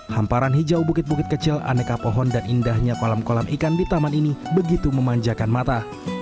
hamparan hijau bukit bukit kecil aneka pohon dan indahnya kolam kolam ikan di taman ini begitu memanjakan mata